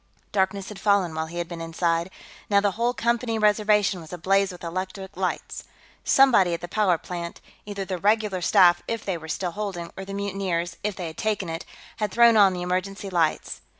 Darkness had fallen, while he had been inside; now the whole Company Reservation was ablaze with electric lights. Somebody at the power plant either the regular staff, if they were still holding, or the mutineers, if they had taken it had thrown on the emergency lights.